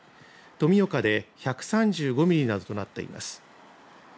富岡で１３５ミリなどとなっています。